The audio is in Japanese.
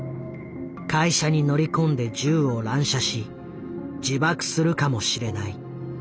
会社に乗り込んで銃を乱射し自爆するかもしれない。